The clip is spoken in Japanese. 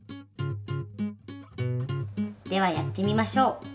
ではやってみましょう。